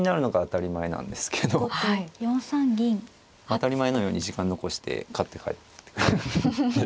当たり前のように時間残して勝って帰る。